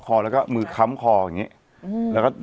ปรากฏว่าจังหวัดที่ลงจากรถ